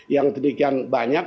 yang demikian banyak